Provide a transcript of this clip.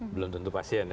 belum tentu pasien